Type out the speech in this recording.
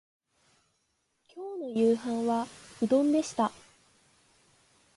今日の夕飯はうどんでした